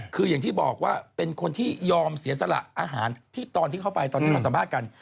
คืออย่างที่บอกว่าเป็นคนที่ยอมเสียสละอาหารที่ตอนที่เข้าไปตอนนี้เราสัมภาษณ์กัน